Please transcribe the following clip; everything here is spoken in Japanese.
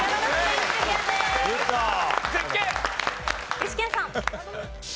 具志堅さん。